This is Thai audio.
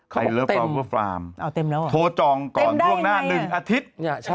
เลิฟรอเวอร์ฟาร์มโทรจองก่อนล่วงหน้า๑อาทิตย์